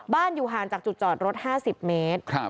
อยู่ห่างจากจุดจอดรถ๕๐เมตร